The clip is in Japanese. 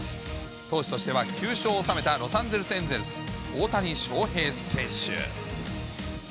投手としては９勝を収めたロサンゼルスエンゼルス、大谷翔平選手。